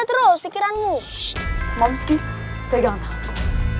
terus pikiranmu shhh momsky pegang aku